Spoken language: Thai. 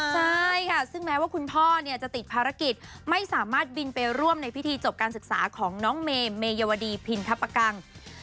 ใช่ค่ะซึ่งแม้ว่าคุณพ่อจะติดภารกิจไม่สามารถบินไปร่วมในพิธีจบการศึกษาของน้องเมยวดีพินทปกัง